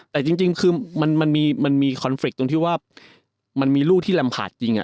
แต่จริงคือมันมีคอนเฟรกต์ตรงที่ว่ามันมีลูกที่ลำบากจริง